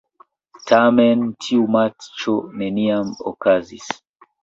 Tamen tiu matĉo neniam okazis.